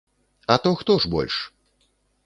А то хто ж больш?